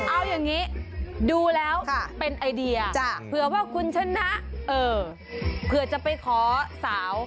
เอาอย่างนี้ดูแล้วเป็นไอเดียเผื่อว่าคุณชนะเผื่อจะไปขอสาว